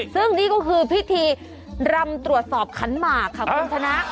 ซึ่งนี่ก็คือพิธีรำตรวจสอบขันหมากค่ะคุณชนะ